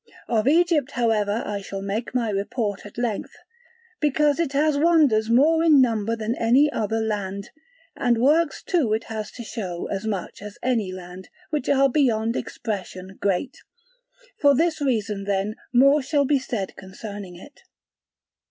Of Egypt however I shall make my report at length, because it has wonders more in number than any other land, and works too it has to show as much as any land, which are beyond expression great: for this reason then more shall be said concerning it.